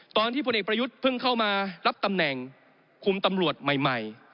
พลเอกประยุทธ์เพิ่งเข้ามารับตำแหน่งคุมตำรวจใหม่